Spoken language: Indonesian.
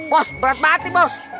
bos berat banget nih bos